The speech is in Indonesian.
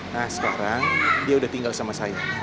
nah sekarang dia udah tinggal sama saya